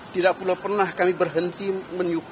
tidak pula pernah kami berharapkan anugerah darimu ya tuhan